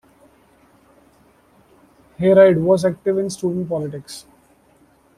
Hareide was active in student politics.